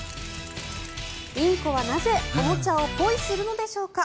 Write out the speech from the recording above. インコはなぜ、おもちゃをポイするのでしょうか。